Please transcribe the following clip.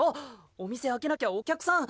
お店開けなきゃお客さん。